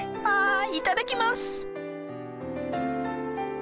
あいただきます！